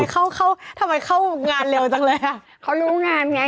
ทำไมเข้างานเร็วจังเลยอะเขารู้งานไง